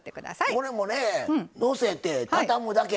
これものせて畳むだけ。